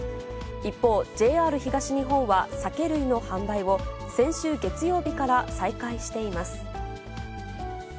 一方、ＪＲ東日本は酒類の販売を、先週月曜日から再開しています。